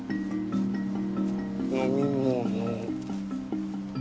飲み物。